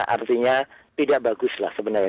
artinya tidak baguslah sebenarnya